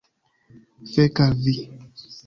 Fek' al vi